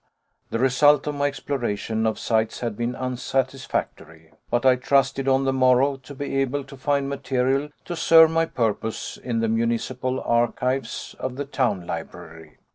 The result of my exploration of sites had been unsatisfactory; but I trusted on the morrow to be able to find material to serve my purpose in the municipal archives of the town library.